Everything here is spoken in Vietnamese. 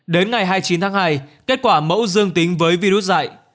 đến ngày hai mươi chín tháng hai kết quả mẫu dương tính với virus dạy